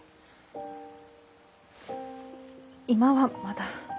今はまだ。